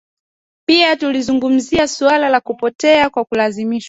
Pia tulizungumzia suala la kupotea kwa kulazimishwa